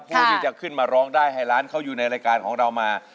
ผู้ที่จะขึ้นมาร้องได้ให้ล้านเขาอยู่ในรายการของเรามา